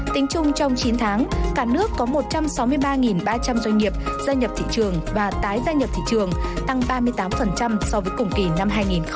tính chung trong chín tháng cả nước có một trăm sáu mươi ba ba trăm linh doanh nghiệp gia nhập thị trường và tái gia nhập thị trường tăng ba mươi tám so với cùng kỳ năm hai nghìn một mươi tám